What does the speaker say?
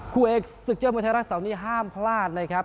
คู่เอกศึกยอดมวยไทยรัฐเสาร์นี้ห้ามพลาดนะครับ